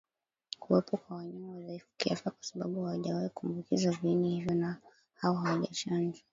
Kuwepo kwa wanyama wadhaifu kiafya kwa sababu hawajawahi kuambukizwa viini hivyo au hawajachanjwa